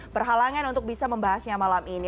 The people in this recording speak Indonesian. berhalangan untuk bisa membahasnya malam ini